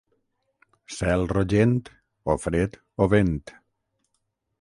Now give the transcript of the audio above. Cel rogent, o fred o vent.